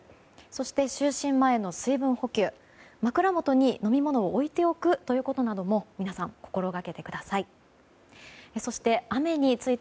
そして就寝前の水分補給枕元に飲み物を置いておくことなども皆さん、心がけてください。